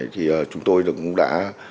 thì chúng tôi cũng đã